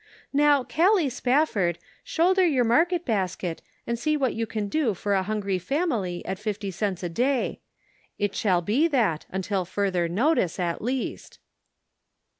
Now, Gallic Spafford, shoulder your market basket and see what you can do for a hungry family at fifty cents a day ; it shall be that, until further notice at least."